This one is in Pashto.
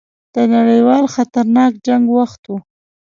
د نړیوال خطرناک جنګ وخت وو.